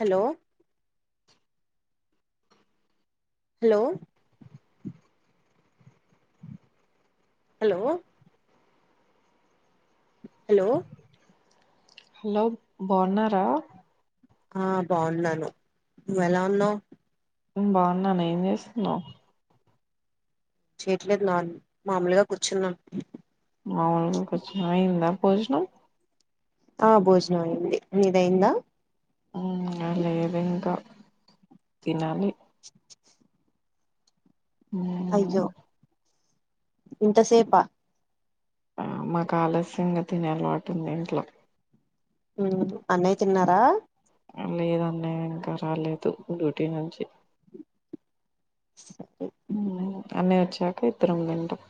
Hello hello hello hello hello బాగున్నారా ఆ బాగున్నాను నువ్వ ఎలా ఉన్నావు బాగున్నా న ఏం చేస్తున్నావు్ చేయట్లేదు నా మామూలుగా కూర్చున్నా మామూలుగా కూర్చున్నావ అయిందా పోజనం ఆ భోజనం అయ్యంది నిదయిందా లేద ఇంకా తినాలి [inaudible] ఉమ్, అయ్యో ఇంత సేపా ఆ మాకు ఆలస్యంగా తినే అలవాటు ఉంది ఇంట్లో అన్నయ్య తిన్నారా లేదన్న ఇంకా రాలేదు డ్యూటీ నుంచి [inaudible] అన్నయ్య వచ్చాక ఇద్దరం తింటం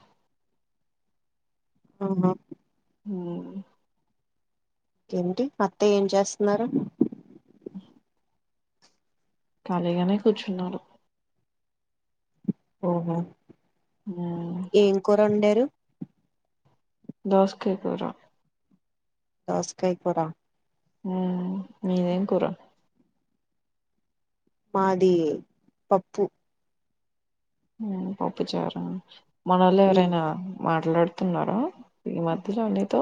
ఆహా ఏంటి అత్తా ఏం చేస్తున్నారు ఖాళీగానే కూర్చున్నారు ఓహో ఏం కూర ఉండారు దోసకాయ గురా దోస్కయ కూర ఉమ్, మీదేం కూర మాది పప్పు పప్పుచ్చ ఉమ్, మనళవరనా మాట మాట్లాడుతున్నారా ఈ మధ్యలో నీతో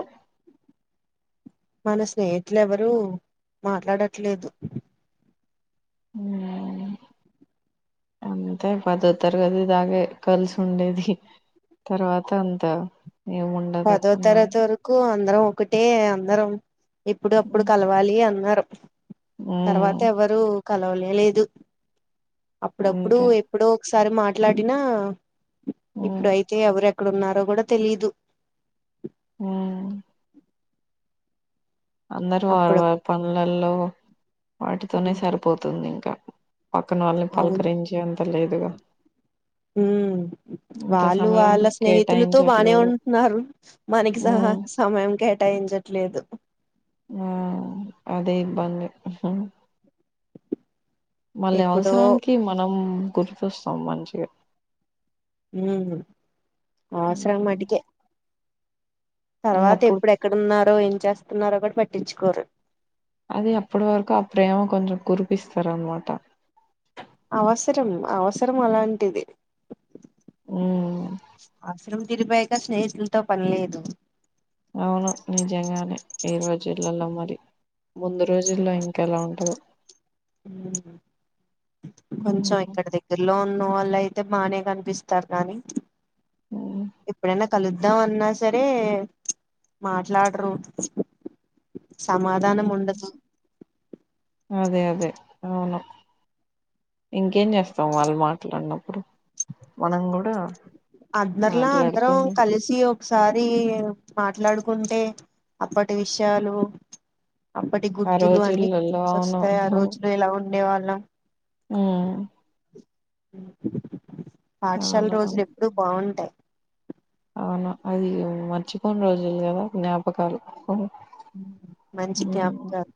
మన స్నేహితులు ఎవరు మాట్లాడట్లేదు హ అంతే పదో తరగతి దాగే కలిసి ఉండేది తర్వాత అంత ఏముండదు పదో ఉన్నాయి తరగతి వరకు అందరం ఒకటే అందరం ఇప్పుడు అప్పుడు కలవాలి అన్నారు తర్వాత ఉమ్ ఎవరు కలవాల లేదు అప్పుడప్పుడు అంతే ఎప్పుడో ఒకసారి మాట్లాడినా ఉమ్ ఇప్పుడుయితే ఎవరుెక్కడన్నారో కూడా తెలీదు ఉమ్ అందరు అప్పుడు వాళ్ళవాళ్ళ పనులలో వాటితోనే సరిపోతుంది ఇంకా పక్కన వాళ్ళని పలకరించే అంత లేదుగా హ ఇంత వాళ్ళు సమయం వాళ్ళ స్నేహితులతో బానే కేటాయించట్లేదు ఉంటున్నారు మనకి ఉమ్ సహా సమయం కేటాయించ ట్లేదు ఆ అదే ఇబ్బంది మళ్ళీ ఎప్పుడో అవసరానికి మనం గుర్తొస్తాం మంచిగా ఉ ఆవసరా ఉమ్ మాటికే తర్వాత ఇంగప్పుడు ఇప్పుడుెక్కడున్నారో ఏం చేస్తున్నారో కూడా పట్టించుకోరు అది అప్పటి వరకు ఆ ప్రేమ కొంచెం కురిపిస్తారన్నమాట అవసరం అవసరం అలాంటిది ఉమ్ అవసరం తిరిపోయాక స్నేహితులతో పనిలేదు అవును నిజంగానే ఈ రోజులలో మరి ముందు రోజుల్లో ఇంకా ఎలా ఉంటరు కొంచెం ఉమ్, ఇక్కడ దగ్గరలోన్ న్నో వాళ్ళయితే బానే కనిపిస్తారు గానీ ఉమ్, ఎప్పుడైనా కలుద్దాం అన్నా సరే మాట్లడరు సమాధానం ఉమ్. ఉండదు అదే అదే అవును ఇంకేం చేస్తాం వాళ్ళు మాట్లాడినప్పుడు మనం కూడా అందర్లా అందరం మాట్లాడుకుందాం కలిసి ఓ ఒకసారి మాట్లాడుకుంటే అప్పటి విషయాలు అప్పటి ఆ గుర్తులు అన్ని రోజులలో అవును గుర్తోస్తాయి ఆ రోజులు ఎలా ఉండే వాళ్ళం ఉమ్ పాఠశాల రోజులు అవునవును ఎప్పుడు బాగుంటయి అవునా అది మర్చిపోని రోజులు కదా జ్ఞాపకాలు మంచి ఉమ్ జ్ఞాపకాలు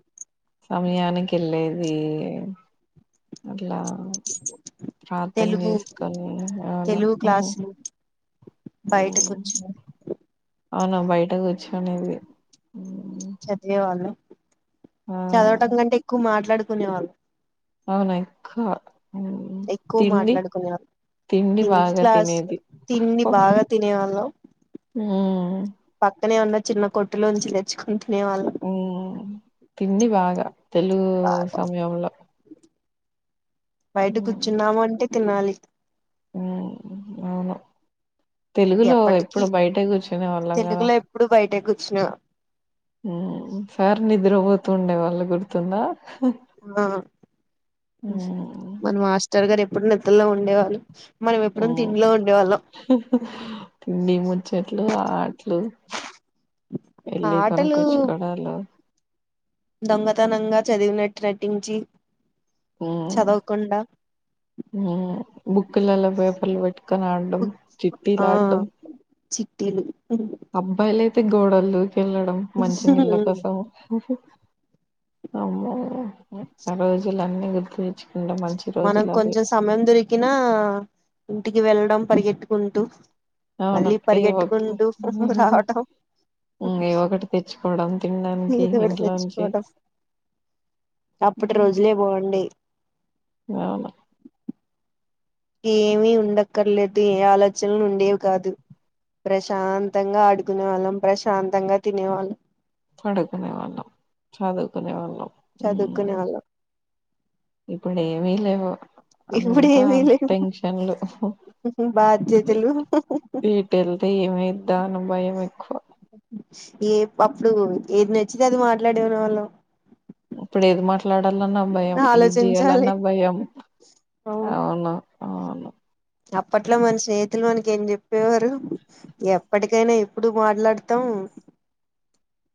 సమయానికి వెళ్ళేది అట్లా ప్రార్థన తెలుగు చేసుకొని అవును ఉహు బయటకొచ్చిన అవున బయట కూర్చునేది చదివేవాళ్ళం చదవటం కంటే ఎక్కువ మాట్లాడుకునే వాళ్ళు అవునేక్క ఎక్కువ మాట్లాడుకునేళ్ తిండి హిందీ బాగా క్లాస్ తినేది తిండి బాగా తినేవాళ్ళం ఉమ్ అక్కనే ఉన్న చిన్న కొట్టులోంచి తెచ్చుకుంటే ఉమ్ తిండి బాగా తెలుగు బాగా సమయంలో బయట కూర్చున్నాము అంటే తినాలి ఉమ్ అవును తెలుగులో ఎప్పటికిీ ఎప్పుడు బయట కూర్చునే వాళ్ళం కదా తెలుగులో ఎప్పుడు బయటే కూర్చునే ఆ ఉమ్ సార్ నిద్రపోతుూండే వాళ్ళు గుర్తుందా ఆ మ్మ్. మన మాస్టర్ గారు ఎప్పుడు నిద్రల్లో ఉండేవాళ్ళు మనం ఎప్పుడు మ్మ్. తింలో ఉండేవాళం తిండి ముచ్చట్లు ఆట్లు ఇల్లీ ఆటలు కనకోచ్చు కోడలో దొంగతనంగా చదివినట్టు నటించి చదవకుండా బుక్లలా పేపర్లు పెట్టుకని ఆడ్టం ఆ చిట్టీలడ్టం చిట్టీలు అబ్బాయిలయితే గోడలు దూకెళ్ళడం మంచి నీళ్ళ కోసం అమ్మో ఆ రోజులు అన్నీ గుర్తుతెచ్ మంచి మనం కొంచెం సమయం దొరికినా ఇంటికి వెళ్ళడం పరిగెట్టుకుంటూ అవును మళ్ళీ ఏవో పరిగెట్టుకుంటూ రావటం ఏ ఒకటి తెచ్చుకోవడం తినడానికి నీతోటి ఇంట్లోంచి తెచ్చుకోవటం అప్పటి రోజులే బాగుండే అవును ఏమీ ఉండక్కర్లేదు ఏ ఆలోచనలు ఉండేవి కాదు ప్రశాంతంగా ఆడుకునే వాళ్ళం ప్రశాంతంగా తినే వాళ్ళు పడుకునే వాళ్ళం చదువుకునే వాళ్ళం చదుకునె వాళ్ళం ఇప్పుడేమీ లేవు ఇప్పుడు అంతా ఏమీ లేవు టెంక్షండ్లు వీ బాధ్యతలు ఈటెళ్తే ఏమైద్దా అను భయమెక్కువ ఏ అప్పుడు ఏద్ నచ్చితే అది మాట్లాడును వాళ్ళం అప్పుడేది మాట్ల్ ట్లాడాలన్న భయం ఏద్ ఆలోచించాలి జేయాలన్న భయం అవును అవును అప్పట్లో మన స్నేహితులు మనకి ఏం జెప్పేవారు ఎప్పటికైనాఎప్పుడు మాట్లాడ్తాం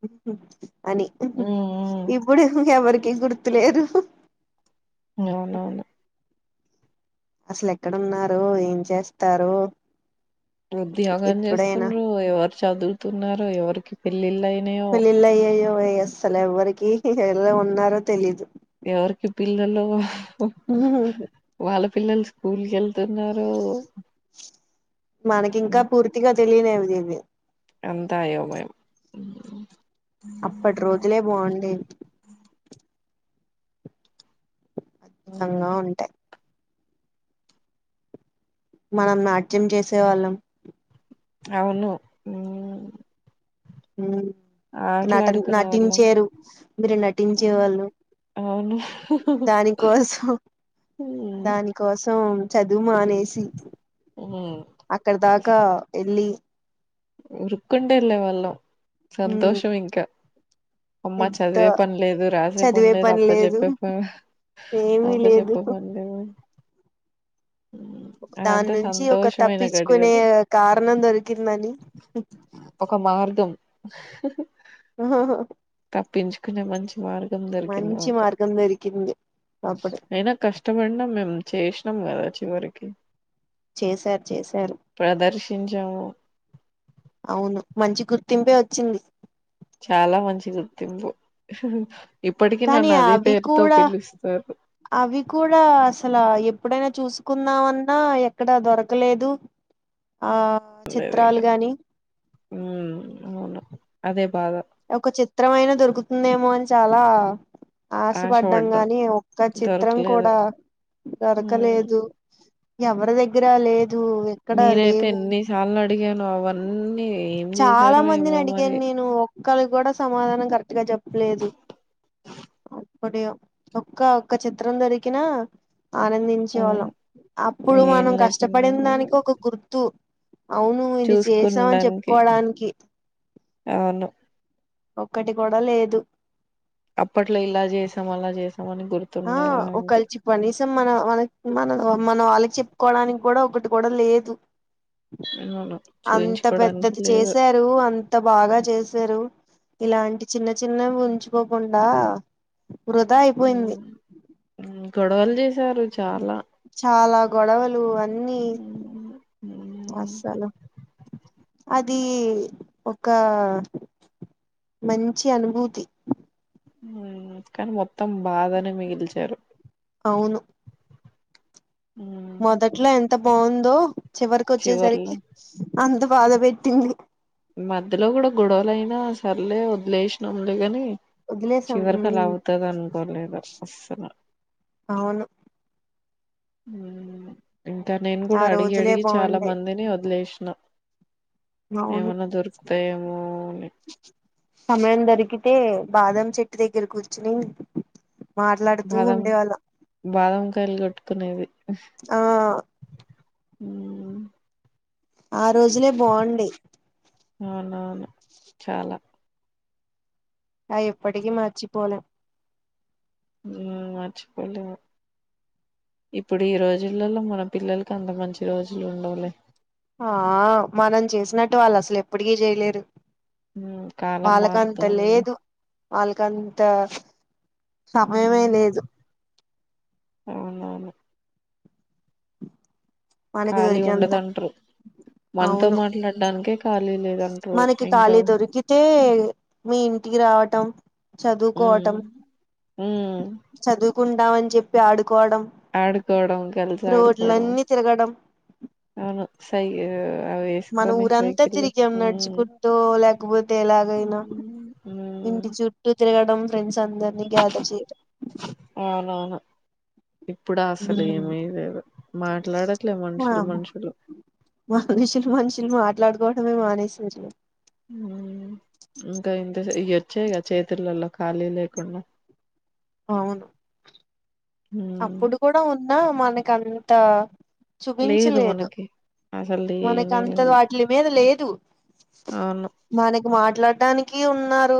ఉహు అని ఉమ్ ఇబ్బుడు ఎవరికి గుర్తులేదు అవునవును అసలెక్కడన్నారో ఏం చేస్తారో ఉద్యాగం ఇప్పుడైనా చేస్తుండ్రో ఎవరు చదువుతున్నారో ఎవరికి పెళ్ళిళ్ళయ్ పెళ్లిళ్ళ అయ్యయ్యో ఏ అస్సల్ ఎవ్వరికి ఎలా ఉన్నారో తెలీదు ఎవర్కి పిల్లల్లో వాళ్ళ పిల్లొల్ల్స్ ఉల్కెళ్తున్నారో మనకింకా పూర్తిగా తెలియలేవి దీనివి అంతా అయోమయం ఉ అప్పట్ రోజులే బాండేవి తంగా ఉంటే మనం నాట్యం చేసేవాళ్ళం అవును ఊమ్ ఊ నటన్ వాళ్ళం నటించేరు మిరు ఉమ్, నటించేవాళ్ళు అవును దానికోసం ఉమ్ దానికోస్ తోమ్ చదువు మానేసి ఉమ్ అక్కడ దాకా ఎళ్ళీ ఉరుక్కుంట ఎళ్ళే వాళ్ళం సంతోషమింక అమ్మా పెద్ద చదివే పన్ లేదు రాసే పన్ చదివే లేదు పని అప్ప జొప్పే ప ఏమీ అప్ప లేదు జొప్పే పండ్లేదు దాన్ అదంతా నుంచి ఒక సంతోషమైన తప్పిచ్చుకునే గడియలు కారణం దొరికిందన్ ఒక మార్గం తప్పించుకునే మంచి మార్గం దొరికింది మంచి మాకు మార్గం దొరికింది అప్పుడు ఐనా కష్టపడినామ్ మేము చేస్నాం గదా చివరికి చేశార్ చేశారు టించాము అవును మంచి గుర్తింపే వొచ్చింది చాలా మంచి గుర్తింపు ఇప్పటికి కానీ నన్ను అదే అవి పేరుతో కూడా పిలుస్తారు అవి కూడా అస్సల ఎప్ ప్పుడైనా చూసుకుందామన్నా ఎక్కడా దొరకలేదు ఆ చిత్రాలు గాని ఊమ్ అవును అదే బాధ ఒక చిత్రం అయినా దొరుకుతుందేమో అని చాలా ఆశపడ్డం ఆశపడ్డాం గాని ఒక్క చిత్రం దొరకలేదు కూడా దొరకలేదు ఎవరి దగ్గర లేదు ఎక్కడా నేనైతే లేవు ఎన్ని సార్లు అడిగానో అవన్నీ ఏం చాలా చేశారో మందిని ఏమో మరి. అడిగాన్ నేను ఒక్కరు గుడా సమాధానం కరెక్ట్ గా జెప్లేదు అప్పుడే ఒక్క ఒక్క చిత్రం దొరికిన ఆనందించే అవును వాళ్ళం అప్పుడు ఏం మనం లేకుండా కష్టపడిన కాదు దానికి ఒక గుర్తు అవును ఇది చేసామని చూసుకుండానికి చెప్పుకోవడానికి అవును. ఒక్కటి కూడ లేదు అప్పట్లో ఇల చేసాం అలా చేస్ ఆ ఒక కలిచి కనీసం మన మన మన మన వాళ్ళకి చెప్పుకోవడానికి కూడ ఒకటి కూడ లేదు [unintelligible] అంత చూయించుకోవడానికి పెద్దది లేదు. చేసారు అంత బాగ చేసారు ఇలాంటి చిన్న చిన్నవి ఉంచుకోకుండ వృధా అయిపోయింది హ్మ్ గొడవలు జే చాల గొడవలు అని హు అస్సలు అదీ ఒక మంచి అనుభూతి కానీ మొత్తం బాధని మిగిల్చారు అవును హ్మ్ మొదట్లో ఎంత బాగుందో చివరికి వచ్చేసరికి చివర్లో అంత బాధ పెట్టింది మధ్యలో కూడ గొడవలుయినా సరలే వదిలేసినాంలే ని వదిలేసాం చివరికి అల ఉమ్ అవుతది అనుకోలేదు అసల అవును ఇంకా నేను కూడ ఆ అడిగి రోజులే అడిగి చాలా బాగుండే మందిని వదిలేసిన అవును ఏమన్నా దొరుకుతాయేమో అని సమయం దొరికితే బాదం చెట్టు దగ్గర కూర్చుని మాట్లాడుతూ బాదం ఉండేవాళ్ళం బాదంకాయలు కొట్టుకునేది ఆ హు ఆ రోజులే బాగుండే అవునవును చాల అవి ఎప్పటికి మర్చిపోలెం హు మచ్చిపోలెం ఇప్పుడు ఈ రోజులలో మన పిల్లలలకు అంత మంచి రోజులు ఉండవ్లే ఆ మనం చేసినట్టే వాళ్ళు అసలు ఎప్పటికి చేయలేరు హ్మ్ కాలం వాళ్ళకి అంత మారుతుంది లేదు కంత సమయమే హ్మ్ లేదు అవునవును మనకి ఖాళీ దొరికినంత ఉండదంటరు మనతో అవును మాట్లాడడానికే ఖాళీ లేదంట్రు మనకి ఇంకా ఖాలీ దొరికితే మీ ఇంటికి రావటం చదువుకోవటం హు కుందం అని చెప్పి ఆడుకోవడం ఆడుకోవడం కల్సి ఆడుకోడం రోడ్లన్నీ తిరగడం అవును సై మనం వేసుకొని ఊరంతా సైకిల్ తిరిగాం మ్మ్ నడుచుకుంటో లేకపోతే ఎలాగైనా మ్మ్ ఇ మ్మ్ ఇంటి చుట్టూ తిరగడం ఫ్రెండ్స్ అందరిని గ్యాదర్ చేయడం అవునవును ఇప్పుడు అసలు ఉమ్ ఏమిలేదు మాట్లాడట్లేదు మనుషులు మనుషులు మనుషులు మనుషులు మాట్లాడుకోవడంమే మానేసరు లే హు ఇంకా ఇంత ఇ వచ్చాయిక చేతులలో ఖాళీ లేకుండా అవును మ్మ్ అప్పుడు కూడా ఉన్నా మనకు అంత లేదు చూపించలేదు మనకి అసలు మనక లేనే అంత లేదు అట్లీ మీద లేదు అవును మనకి మాట్లాడడానికి ఉన్నారు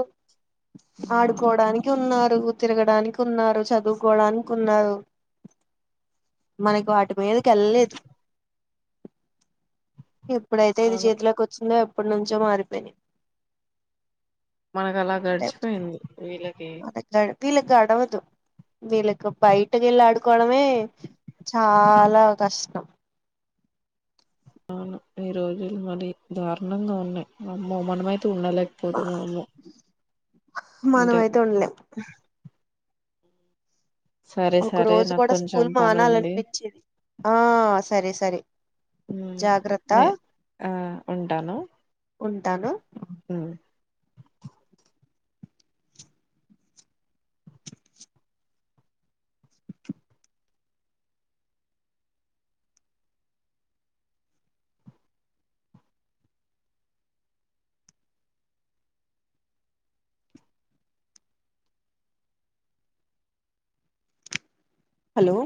ఉమ్, ఆడుకోవడానికి ఉన్నారు నువ్వు తిరగడానికి ఉన్నారు చదువుకోవడానికి కున్నారు మనకి వాటి మీదకి వెళ్ళలేదు ఎప్ ఇప్పుడైతే ఇది అవును చేతిలోకి వచ్చిందో ఎప్పటి నుంచో మారిపోయినాయ్ మనకు అలా గడిచిపోయింది వీళ్ళకి వీలకి గడవదు వీలలకు బయటకి వెళ్ళ ఆడుకోవడమే చాలా కష్టం అవును ఈ రోజులు మరి దారుణంగా ఉన్నాయి అమ్మో మనమైతే ఉండలేకపోతున్నాము ఇంత మనమైతే ఉండలేం సరే ఒక సరే రోజు నాకు కూడా కొంచెం స్కూల్ పని ఉంది మానాలనిపించేది ఆ సరే సరే హ్మ్ జాగ్రత్త నే ఆ ఉంటాను ఉంటాను హ్మ్ హలో